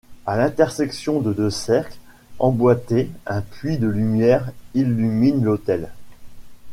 À l'intersection de deux cercles emboîtés, un puits de lumière illumine l'autel.